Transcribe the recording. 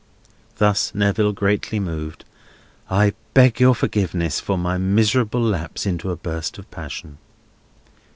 Thus Neville, greatly moved. "I beg your forgiveness for my miserable lapse into a burst of passion."